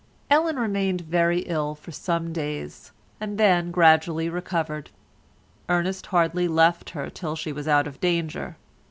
Ellen remained very ill for some days, and then gradually recovered. Ernest hardly left her till she was out of danger.